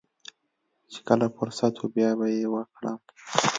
چې کله فرصت و بيا به يې وکړم.